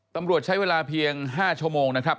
ตำรวจใช้เวลาเพียง๕ชั่วโมงนะครับ